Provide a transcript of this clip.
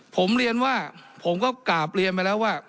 ผมเรียนว่าผมก็กราบเรียนไปแล้วว่า